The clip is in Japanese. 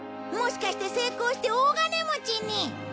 もしかして成功して大金持ちに！